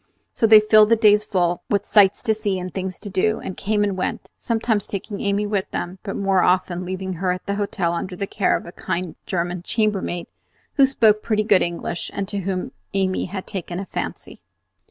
So they filled the days full with sights to see and things to do, and came and went; sometimes taking Amy with them, but more often leaving her at the hotel under the care of a kind German chambermaid, who spoke pretty good English and to whom Amy had taken a fancy.